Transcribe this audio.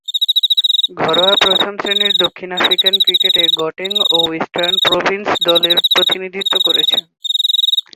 ঘরোয়া প্রথম-শ্রেণীর দক্ষিণ আফ্রিকান ক্রিকেটে গটেং ও ওয়েস্টার্ন প্রভিন্স দলের প্রতিনিধিত্ব করেছেন।